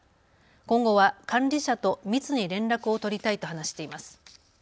今後は管理者と密に連絡を取りたいと話しています。